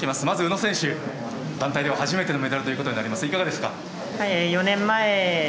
まず宇野選手団体では初めてのメダルということになります